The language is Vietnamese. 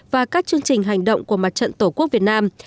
và các chương trình hành động của mặt trận tổ quốc việt nam